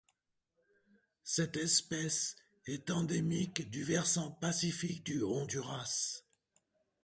Cette espèce est endémique du versant Pacifique du Honduras.